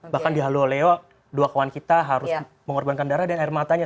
bahkan di halo leo dua kawan kita harus mengorbankan darah dan air matanya